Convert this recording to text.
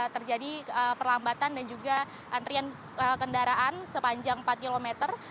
terjadi perlambatan dan juga antrian kendaraan sepanjang empat kilometer